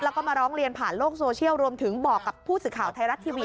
แล้วก็มาร้องเรียนผ่านโลกโซเชียลรวมถึงบอกกับผู้สื่อข่าวไทยรัฐทีวี